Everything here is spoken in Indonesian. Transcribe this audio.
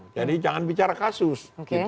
jadi jangan bicara kasus